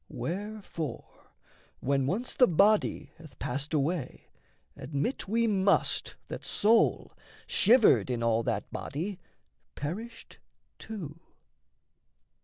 Wherefore, when once the body Hath passed away, admit we must that soul, Shivered in all that body, perished too.